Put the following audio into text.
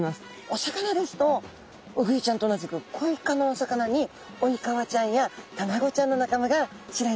お魚ですとウグイちゃんと同じくコイ科のお魚にオイカワちゃんやタナゴちゃんの仲間が知られています。